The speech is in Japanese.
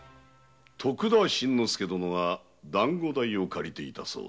徳田新之助殿がダンゴ代を借りていたそうだ。